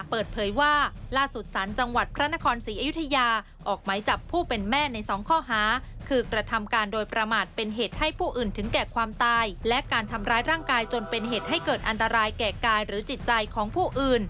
เปิดเผยว่าล่าสุดสารจังหวัดพระนครศรีอยุธยาออกไหมจับผู้เป็นแม่ในสองข้อหาคือกระทำการโดยประมาทเป็นเหตุให้ผู้อื่นถึงแก่ความตายและการทำร้ายร่างกายจนเป็นเหตุให้เกิดอันตรายแก่กายหรือจิตใจของผู้อื่น